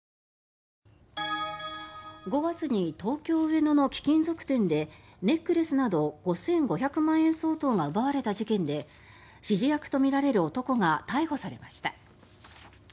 ５月に東京・上野の貴金属店でネックレスなど５５００万円相当が奪われた事件で指示役とみられる男が逮捕されました。